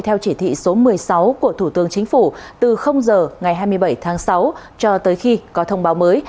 theo chỉ thị số một mươi sáu của thủ tướng chính phủ từ giờ ngày hai mươi bảy tháng sáu cho tới khi có thông báo mới